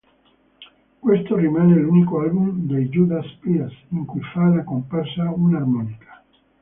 Questo rimane l'unico album dei Judas Priest in cui fa la comparsa un'armonica.